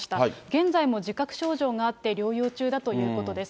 現在も自覚症状があって、療養中だということです。